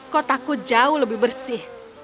kotaku jauh lebih bersih